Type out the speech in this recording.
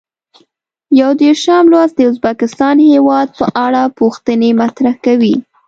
یو دېرشم لوست د ازبکستان هېواد په اړه پوښتنې مطرح کوي.